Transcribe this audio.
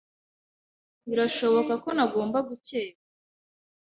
Birashoboka ko ntagomba gukeka.